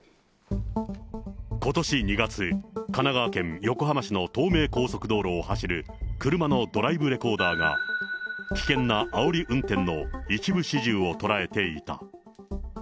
ことし２月、神奈川県横浜市の東名高速道路を走る車のドライブレコーダーが、危険なあおり運転の一部始終を捉えていた。